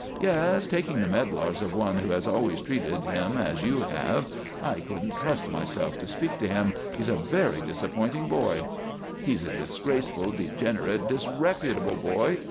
"Yes, taking the medlars of one who has always treated him as you have. I couldn't trust myself to speak to him. He's a very disappointing boy." "He's a disgraceful, degenerate, disreputable boy!